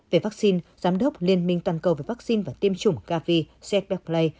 về vaccine giám đốc liên minh toàn cầu về vaccine và tiêm chủng gavi sepepley